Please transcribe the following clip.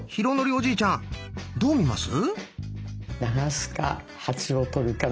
おじいちゃんどう見ます？